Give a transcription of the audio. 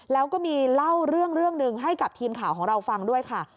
แล้วก็มีเล่าเรื่องหนึ่งให้กับทีมข่าวของเราฟังด้วยค่ะ